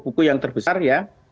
itu jaringan yang terbesar ya